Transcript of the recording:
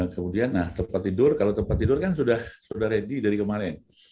kemudian nah tempat tidur kalau tempat tidur kan sudah ready dari kemarin